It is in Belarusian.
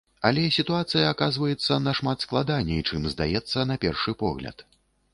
Але сітуацыя аказваецца нашмат складаней, чым здаецца на першы погляд.